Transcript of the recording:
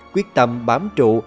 quyết tâm bám trụ